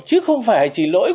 chứ không phải chỉ lỗi